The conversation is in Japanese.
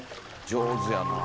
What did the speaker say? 上手やな。